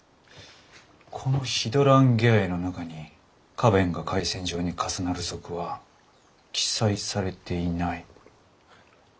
このヒドランゲアエの中に花弁が回旋状に重なる属は記載されていない。